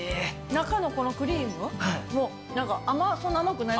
中のこのクリームもそんな甘くない。